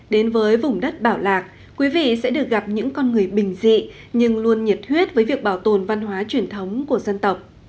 đến với vùng đất bảo lạc quý vị sẽ được gặp những con người bình dị nhưng luôn nhiệt huyết với việc bảo tồn văn hóa truyền thống của dân tộc